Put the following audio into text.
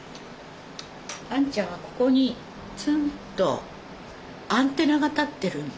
あんちゃんはここにツンとアンテナが立ってるの。